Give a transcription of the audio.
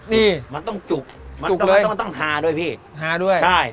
นี่มันต้องจุกมันจุกเลยต้องต้องฮาด้วยพี่ฮาด้วยใช่